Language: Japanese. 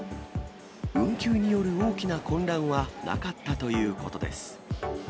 運休による大きな混乱はなかったということです。